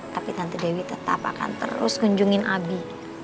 tapi nanti dewi tetap akan terus kunjungin abi